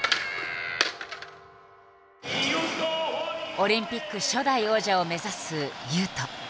オリンピック初代王者を目指す雄斗。